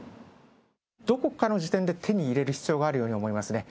どこかの時点で手に入れる必要があるように思いますね。